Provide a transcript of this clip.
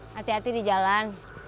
hati hati di jalan